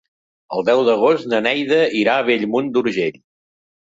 El deu d'agost na Neida irà a Bellmunt d'Urgell.